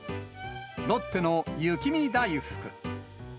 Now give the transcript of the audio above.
ロッテの雪見だいふく。